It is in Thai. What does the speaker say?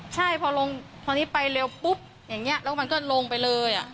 ใช่พอลงพอนี้ไปเร็วปุ๊บอย่างนี้แล้วมันก็ลงไปเลย